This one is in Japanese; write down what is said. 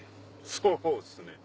そうですね。